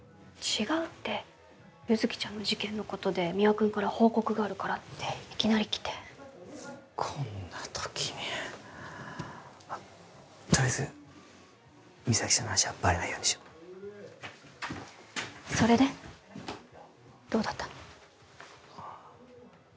違うって優月ちゃんの事件のことで三輪君から報告があるからっていきなり来てこんな時にとりあえず実咲ちゃんの話はバレないようにしようそれでどうだったの？